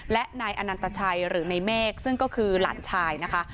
และนายอนันตชัยหรือในเมฆซึ่งก็คือหลานชายนะคะ